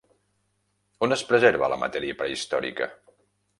On es preserva la matèria prehistòrica?